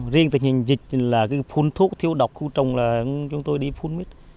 riêng tình hình dịch là phun thuốc thiêu độc khu trùng là chúng tôi đi phun mít